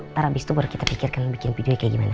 ntar abis itu baru kita pikirkan bikin videonya kayak gimana